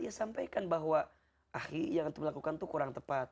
ya sampaikan bahwa ahli yang akan melakukan itu kurang tepat